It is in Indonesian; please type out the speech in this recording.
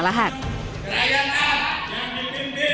kerakyatan yang dimimpin melibatkan kebijaksanaan dan kewajiban